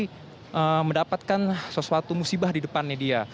dia mendapatkan sesuatu musibah di depannya dia